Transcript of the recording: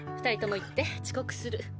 ２人とも行って遅刻する。